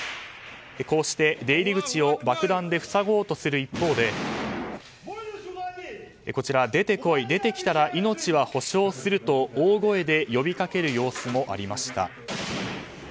こうして出入り口を爆弾で塞ごうとする一方で出てこい、出てきたら命は保証すると大声で呼びかける様子もありました。